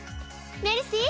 メルシー！